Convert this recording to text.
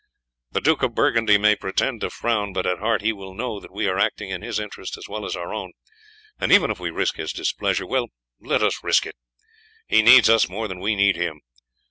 The Duke of Burgundy may pretend to frown, but at heart he will know that we are acting in his interest as well as our own; and even if we risk his displeasure, well, let us risk it. He needs us more than we need him.